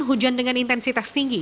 hujan dengan intensitas tinggi